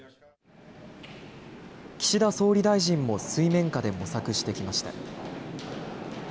岸田総理大臣も水面下で模索してきました。